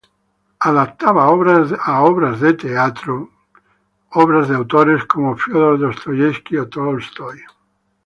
Adaptó a obra de teatro obras de autores como Fiódor Dostoyevski o Tolstói.